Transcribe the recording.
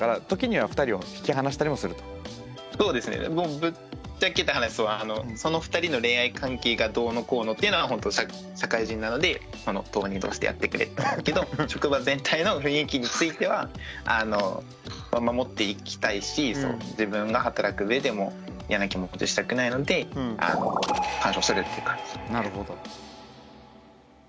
ぶっちゃけた話その２人の恋愛関係がどうのこうのっていうのはほんと社会人なので当人同士でやってくれってなるけど職場全体の雰囲気については守っていきたいし自分が働くうえでも嫌な気持ちにしたくないので干渉するって感じです。